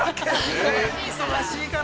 忙しいから。